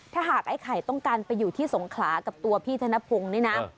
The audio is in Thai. ถ้าหากไอ้ไข่ต้องการไปอยู่ที่สงขลากับตัวพี่ธนพงศ์นี่นะ